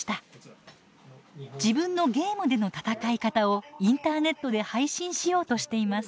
自分のゲームでの戦い方をインターネットで配信しようとしています。